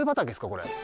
これ。